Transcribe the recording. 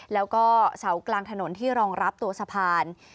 แล้วก็เสากลางถนนที่รองรับตัวสะพาน